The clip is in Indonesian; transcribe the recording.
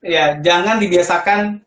ya jangan dibiasakan